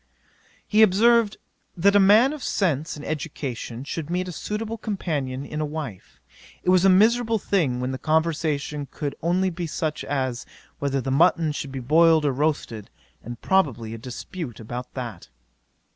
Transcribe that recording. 'He observed, that a man of sense and education should meet a suitable companion in a wife. It was a miserable thing when the conversation could only be such as, whether the mutton should be boiled or roasted, and probably a dispute about that.